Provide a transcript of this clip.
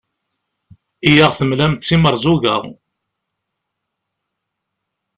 i aɣ-temlam d timerẓuga